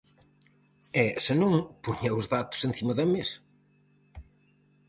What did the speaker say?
E, se non poña os datos encima da mesa.